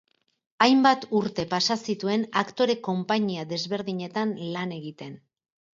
Hainbat urte pasa zituen aktore konpainia desberdinetan lan egiten.